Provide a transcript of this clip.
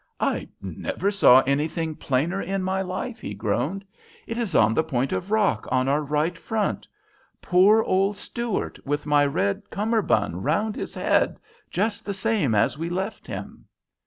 "I never saw anything plainer in my life," he groaned. "It is on the point of rock on our right front, poor old Stuart with my red cummerbund round his head just the same as we left him."